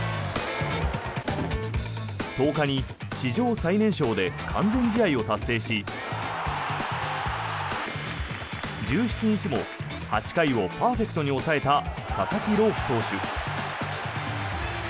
１０日に史上最年少で完全試合を達成し１７日も８回をパーフェクトに抑えた佐々木朗希投手。